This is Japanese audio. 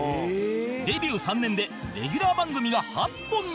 デビュー３年でレギュラー番組が８本に